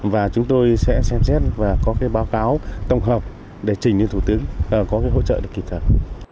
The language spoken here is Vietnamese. và chúng tôi sẽ xem xét và có cái báo cáo tổng hợp để trình lên thủ tướng có cái hỗ trợ được kịp thời